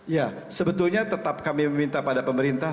ya sebetulnya tetap kami meminta pada pemerintah